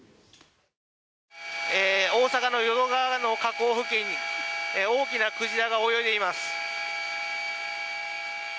大阪の淀川の河口付近大きな鯨が泳いでいます。